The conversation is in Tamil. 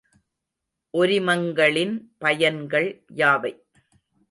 ஒரிமங்களின் பயன்கள் யாவை?